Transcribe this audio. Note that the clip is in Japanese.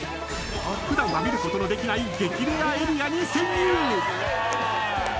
［普段は見ることのできない激レアエリアに潜入！］